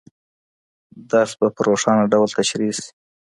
درس به په روښانه ډول تشریح سي.